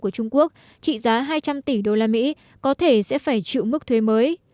của trung quốc trị giá hai trăm linh tỷ usd có thể sẽ phải chịu mức thuế mới